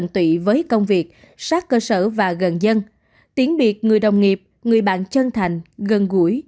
giới công việc sát cơ sở và gần dân tiến biệt người đồng nghiệp người bạn chân thành gần gũi